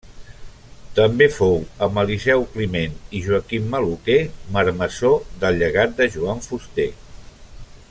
També fou, amb Eliseu Climent i Joaquim Maluquer, marmessor del llegat de Joan Fuster.